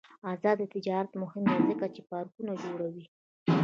آزاد تجارت مهم دی ځکه چې پارکونه جوړوي.